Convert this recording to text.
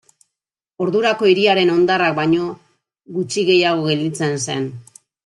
Ordurako hiriaren hondarrak baino gutxi gehiago gelditzen zen.